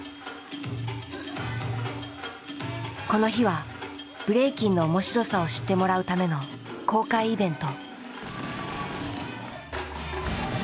この日はブレイキンの面白さを知ってもらうための公開イベント。